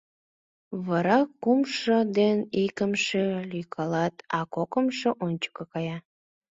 Вара кумшо ден икымше лӱйкалат, а кокымшо ончыко кая.